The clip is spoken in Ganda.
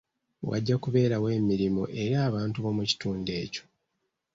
Wajja kubeerawo emirimu eri abantu b'omu kitundu ekyo.